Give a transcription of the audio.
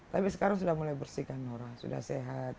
tapi sekarang sudah mulai bersihkan orang sudah sehat